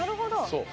そう。